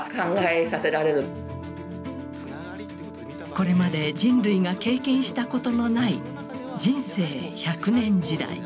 これまで人類が経験したことのない人生１００年時代。